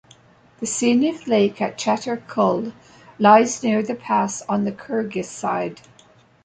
The scenic Lake of Chatyr-Kul lies near the pass on the Kyrgyz side.